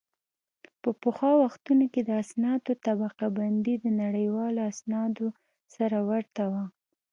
په پخوا وختونو کې د اسنادو طبقه بندي د نړیوالو اسنادو سره ورته وه